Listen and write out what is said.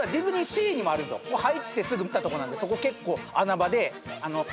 入ってすぐ行ったとこなんでそこ結構。